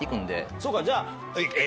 そうかじゃあ。